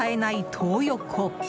トー横。